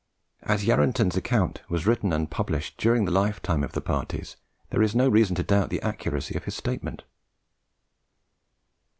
As Yarranton's account was written and published during the lifetime of the parties, there is no reason to doubt the accuracy of his statement.